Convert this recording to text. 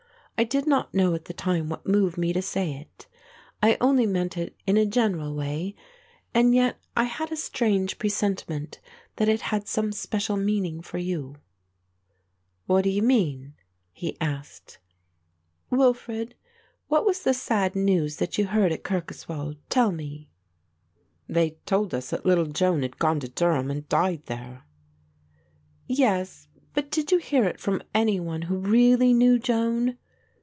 I did not know at the time what moved me to say it. I only meant it in a general way, and yet I had a strange presentiment that it had some special meaning for you." "What do you mean?" he asked. "Wilfred, what was the sad news that you heard at Kirkoswald? Tell me." "They told us that little Joan had gone to Durham and died there." "Yes, but did you hear it from any one who really knew Joan?"